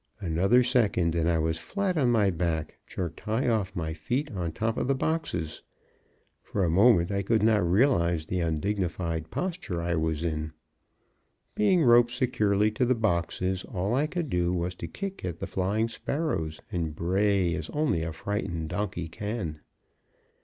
Another second and I was flat on my back, jerked high off my feet on top of the boxes. For a moment I could not realize the undignified posture I was in. Being roped securely to the boxes, all I could do was to kick at the flying sparrows, and bray as only a frightened donkey can.